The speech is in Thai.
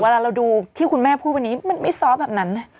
เวลาเราดูที่คุณแม่พูดวันนี้มันไม่ซอฟต์แบบนั้น